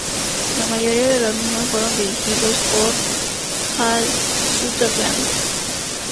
La mayoría de los mismos fueron dirigidos por Hal Sutherland.